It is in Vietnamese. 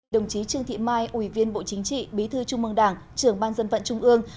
đồng chí trương thị mai ủy viên bộ chính trị bí thư trung mương đảng trưởng ban dân vận trung ương